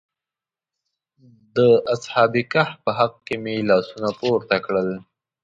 د اصحاب کهف په حق کې مې لاسونه پورته کړل.